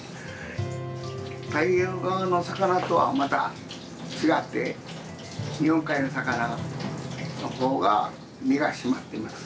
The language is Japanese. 太平洋側の魚とはまた違って日本海の魚の方が身が締まってます。